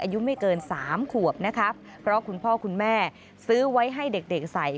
อายุไม่เกินสามขวบนะคะเพราะคุณพ่อคุณแม่ซื้อไว้ให้เด็กเด็กใส่